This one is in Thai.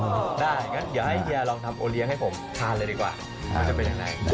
ค่ะก็จะเป็นยังไง